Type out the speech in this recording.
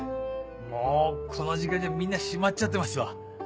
もうこの時間じゃみんな閉まっちゃってますわ。